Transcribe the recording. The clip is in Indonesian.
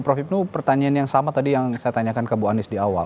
prof hipnu pertanyaan yang sama tadi yang saya tanyakan ke bu anies di awal